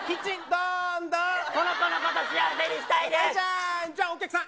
この子のこと幸せにしたいです。